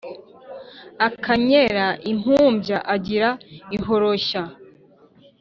akenyera impumbya agira ihoroshya.